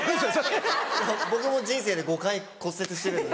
僕も人生で５回骨折してるんで。